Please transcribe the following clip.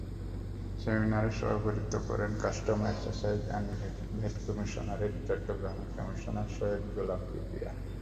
সেমিনারে সভাপতিত্ব করেন customs excise and VAT commissionerate চট্টগ্রামের কমিশনার সৈয়দ গোলাম কিবরিয়া।